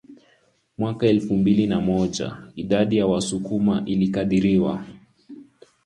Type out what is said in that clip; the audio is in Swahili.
Mwaka elfu mbili na moja idadi ya Wasukuma ilikadiriwa